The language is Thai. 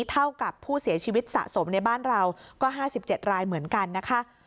เท่ากับผู้เสียชีวิตสะสมในบ้านเราก็๕๗รายเหมือนกันนะคะ